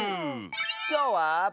きょうは。